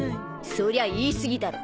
そりゃ言いすぎだろう。